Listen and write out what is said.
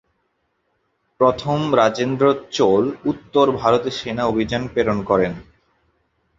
প্রথম রাজেন্দ্র চোল উত্তর ভারতে সেনা অভিযান প্রেরণ করেন।